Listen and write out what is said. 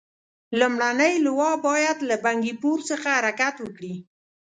لومړنۍ لواء باید له بنکي پور څخه حرکت وکړي.